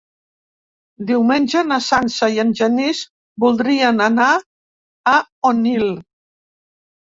Diumenge na Sança i en Genís voldrien anar a Onil.